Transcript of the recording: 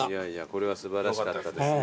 これは素晴らしかったですね。